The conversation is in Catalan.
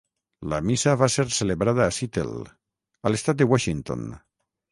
La missa va ser celebrada a Seattle, a l'Estat de Washington.